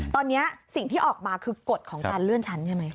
ตอนนี้สิ่งที่ออกมาคือกฎของการเลื่อนชั้นใช่ไหม